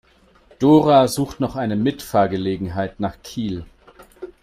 Dora sucht noch eine Mitfahrgelegenheit nach Kiel.